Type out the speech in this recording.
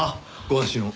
ご安心を。